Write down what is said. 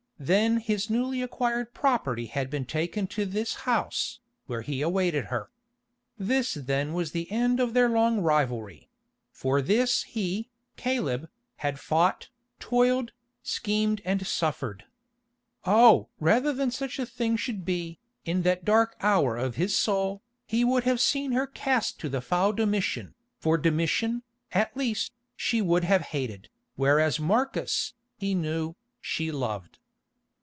Then his newly acquired property had been taken to this house, where he awaited her. This then was the end of their long rivalry; for this he, Caleb, had fought, toiled, schemed and suffered. Oh! rather than such a thing should be, in that dark hour of his soul, he would have seen her cast to the foul Domitian, for Domitian, at least, she would have hated, whereas Marcus, he knew, she loved.